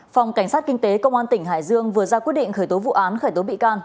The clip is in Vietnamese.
phòng cảnh sát kinh tế công an tỉnh hải dương vừa ra quyết định khởi tố vụ án khởi tố bị can